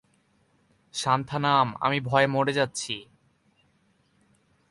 সান্থানাম, আমি ভয়ে মরে যাচ্ছি।